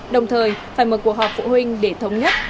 đồng thời phải mở cuộc họp phụ huynh để thống nhất